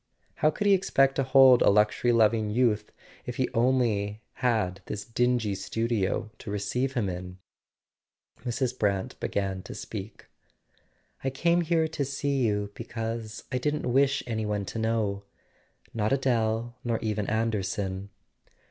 How could he expect to hold a luxury loving youth if he had only this dingy studio to receive him in ? Mrs. Brant began to speak. "I came here to see you because I didn't wish any one to know; not Adele, nor even Anderson."